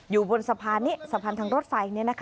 อยู่บนสะพานนี้สะพานทางรถไฟ